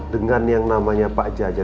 dengan yang namanya pak jaja